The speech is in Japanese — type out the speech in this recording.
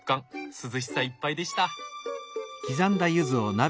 涼しさいっぱいでした。